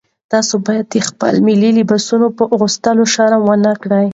تاسي باید د خپلو ملي لباسونو په اغوستلو شرم ونه کړئ.